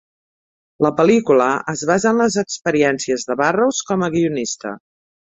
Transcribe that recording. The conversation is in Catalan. La pel·lícula es basa en les experiències de Burrows com a guionista.